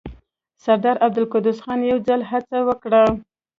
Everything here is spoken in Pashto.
سردار عبدالقدوس خان يو ځل هڅه وکړه.